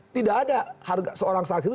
tidak ada seorang saksi itu